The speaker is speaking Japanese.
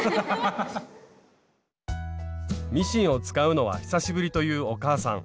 ミシンを使うのは久しぶりというお母さん